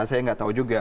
saya nggak tahu juga